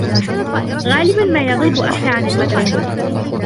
غالبا ما يغيب أخي عن المدرسة.